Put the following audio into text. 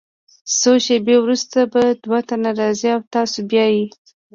څو شیبې وروسته به دوه تنه راځي او تاسو بیایي.